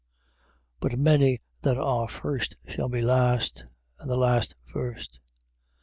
10:31. But many that are first shall be last: and the last, first. 10:32.